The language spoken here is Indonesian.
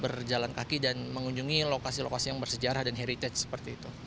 berjalan kaki dan mengunjungi lokasi lokasi yang bersejarah dan heritage seperti itu